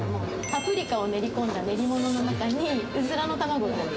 パプリカを練り込んだ練り物の中にうずらの卵が。